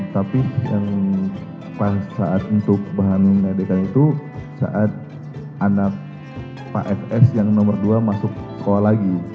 tapi yang pas saat untuk bahan mediknya itu saat anak pak fs yang nomor dua masuk sekolah lagi